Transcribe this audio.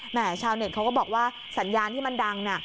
ชาวเน็ตเขาก็บอกว่าสัญญาณที่มันดังน่ะ